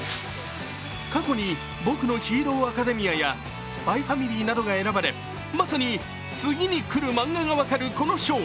過去に「僕のヒーローアカデミア」や「ＳＰＹ×ＦＡＭＩＬＹ」などが選ばれまさに次にくるマンガが分かるこの賞。